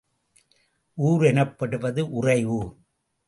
ஊர் எனப்படுவது உறையூர்.